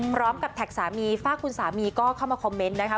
แท็กสามีฝากคุณสามีก็เข้ามาคอมเมนต์นะคะ